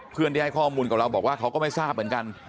เพื่อนที่ให้ข้อมูลกับเราบอกว่าเขาก็ไม่ทราบเหมือนกัน